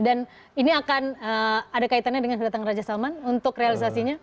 dan ini akan ada kaitannya dengan kedatangan raja salman untuk realisasinya